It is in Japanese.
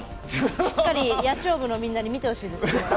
しっかり野鳥部のみんなに見てほしいですね。